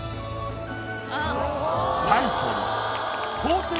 タイトル。